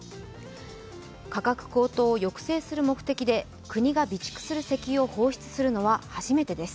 価格高騰を抑制する目的で国が備蓄する石油の放出をするのは初めてです。